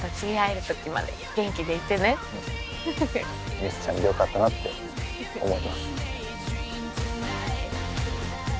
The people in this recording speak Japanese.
ミチちゃんでよかったなって思ってます。